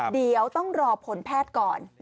เดี๋ยวต้องรอผลแพทย์ก่อน